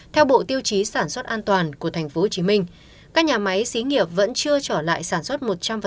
theo bộ tiêu chí sản xuất an toàn của tp hcm các nhà máy xí nghiệp vẫn chưa trở lại sản xuất một trăm linh